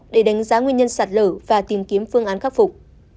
để đánh giá nguyên nhân sạt lở và tìm kiếm phương án khắc phục